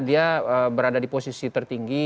dia berada di posisi tertinggi